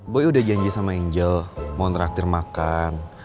boy udah janji sama angel mau ngeraktir makan